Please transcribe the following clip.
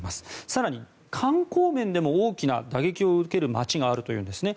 更に観光面でも大きな打撃を受ける街があるというんですね。